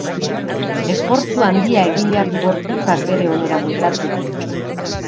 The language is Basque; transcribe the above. Esfortzu handia egin behar du gorputzak bere onera bueltatzeko.